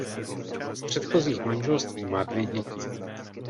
Z předchozích manželství má dvě děti.